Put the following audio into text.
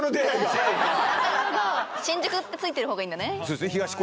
新宿ってついてるほうがいいんだね